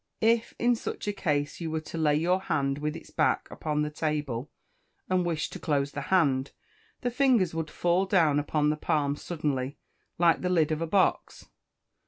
If, in such a case, you were to lay your hand with its back upon the table, and wish to close the hand, the fingers would fall down upon the palm suddenly, like the lid of a box.